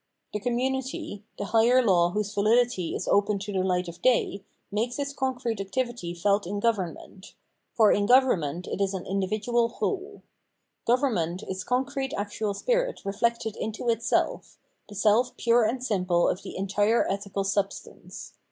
The community, the higher law whose validity is open to the light of day, makes its concrete activity felt in government; for in government it is an individual whole. Government is concrete actual spirit reflected into itself, the self pure and simple of the entire ethical substance.